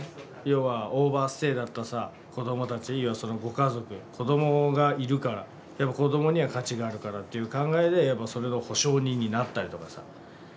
要はオーバーステイだったさ子どもたちやそのご家族子どもがいるから子どもには価値があるからっていう考えでやっぱそれの保証人になったりとかさ。